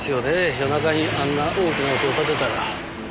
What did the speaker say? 夜中にあんな大きな音を立てたら。